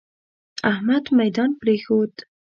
احمد ميدان پرېښود.